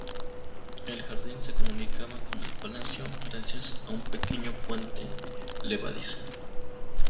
El jardín se comunicaba con el palacio gracias a un pequeño puente levadizo.